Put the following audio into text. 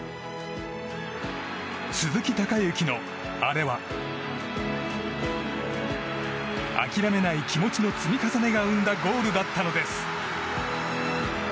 鈴木隆行のあれは諦めない気持ちの積み重ねが生んだゴールだったのです。